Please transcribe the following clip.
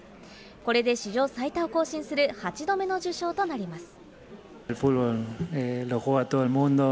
これで史上最多を更新する８度目の受賞となります。